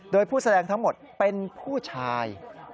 โดยผู้แสดงทั้งหมดเป็นผู้ชาย